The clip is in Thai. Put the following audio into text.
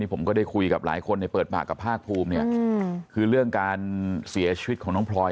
ผมก็ได้คุยกับหลายคนในเปิดปากกับภาคภูมิเนี่ยคือเรื่องการเสียชีวิตของน้องพลอย